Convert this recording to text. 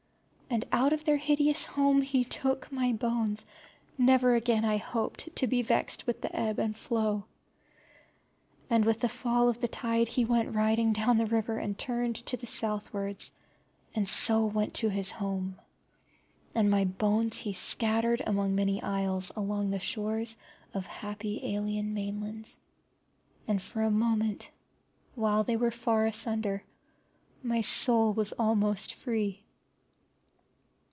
And out of their hideous home he took my bones, never again, I hoped, to be vexed with the ebb and flow. And with the fall of the tide he went riding down the river and turned to the southwards, and so went to his home. And my bones he scattered among many isles and along the shores of happy alien mainlands. And for a moment, while they were far asunder, my soul was almost free.